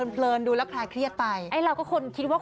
ประเทศเรา